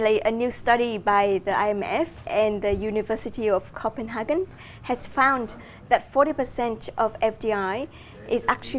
lúc nãy một nghiên cứu mới của imf và đại học copenhagen đã tìm hiểu rằng bốn mươi của fdi thực sự là nguồn năng lực sức khỏe